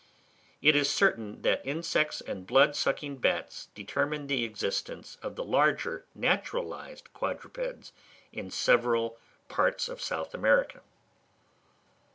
It is certain that insects and blood sucking bats determine the existence of the larger naturalised quadrupeds in several parts of South America.